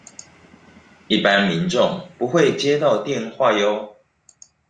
一般民眾不會接到電話唷